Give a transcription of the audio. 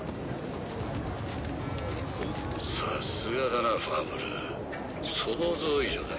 さすがだなファブル想像以上だ。